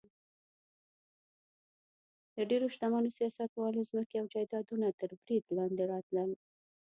د ډېرو شتمنو سیاستوالو ځمکې او جایدادونه تر برید لاندې راتلل.